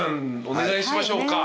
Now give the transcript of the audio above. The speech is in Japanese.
お願いしましょうか。